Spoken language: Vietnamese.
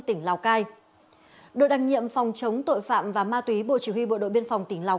tỉnh lào cai đội đặc nhiệm phòng chống tội phạm và ma túy bộ chỉ huy bộ đội biên phòng tỉnh lào